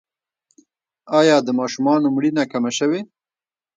آیا د ماشومانو مړینه کمه شوې؟